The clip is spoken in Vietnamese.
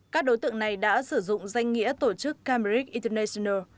các đối tượng này đã sử dụng danh nghĩa tổ chức cambrid international